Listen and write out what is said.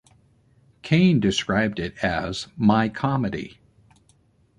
Kane described it as "my comedy".